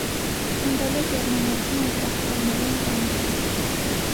Ծնվել է գերմանացի ներգաղթյալների ընտանիքում։